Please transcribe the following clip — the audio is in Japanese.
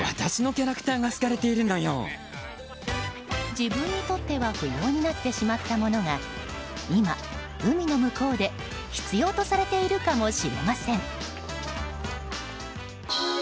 自分にとっては不要になってしまったものが今、海の向こうで必要とされているかもしれません。